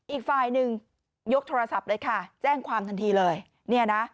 อีกฝ่ายหนึ่งยกโทรศัพท์เลยค่ะแจ้งความทันทีเลยเนี่ยนะ